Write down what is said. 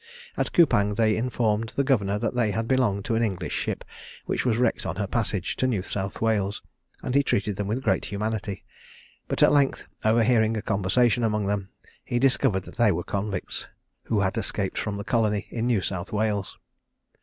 At Cupang they informed the governor that they had belonged to an English ship, which was wrecked on her passage to New South Wales, and he treated them with great humanity; but at length overhearing a conversation among them, he discovered that they were convicts, who had escaped from the colony in New South Wales.